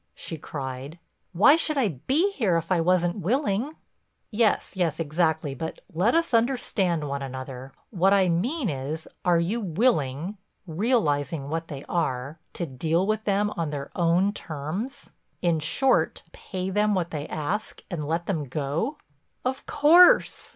she cried. "Why should I be here if I wasn't willing?" "Yes, yes, exactly, but let us understand one another. What I mean is are you willing—realizing what they are—to deal with them on their own terms? In short, pay them what they ask and let them go?" "Of course."